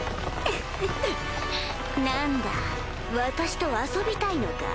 フフフ何だ私と遊びたいのか？